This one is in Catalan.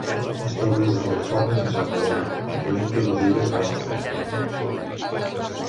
Es troba des de Califòrnia fins a l'Equador, incloent-hi les Illes Galápagos.